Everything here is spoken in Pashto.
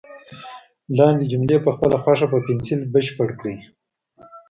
لاندې جملې په خپله خوښه په پنسل بشپړ کړئ.